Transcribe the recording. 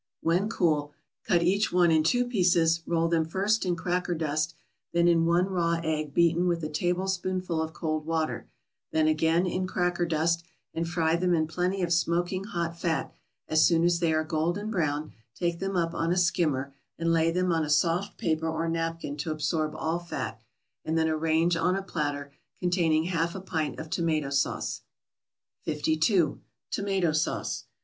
When cool, cut each one in two pieces, roll them first in cracker dust, then in one raw egg beaten with a tablespoonful of cold water, then again in cracker dust, and fry them in plenty of smoking hot fat; as soon as they are golden brown take them up on a skimmer, and lay them on a soft paper or napkin to absorb all fat, and then arrange on a platter containing half a pint of tomato sauce. 52. =Tomato Sauce.